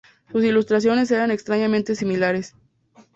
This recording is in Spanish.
Sus ilustraciones eran extrañamente similares.